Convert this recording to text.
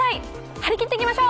張り切っていきましょう！